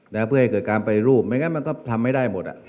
นะเพื่อให้เกิดการไปรูปไม่งั้นมันก็ทำไม่ได้หมดอ่ะ